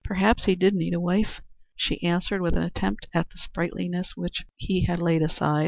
"Perhaps he did need a wife," she answered with an attempt at the sprightliness which he had laid aside.